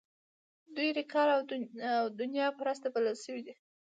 دوی ریاکار او دنیا پرسته بلل شوي دي.